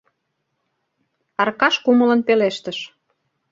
— Аркаш кумылын пелештыш.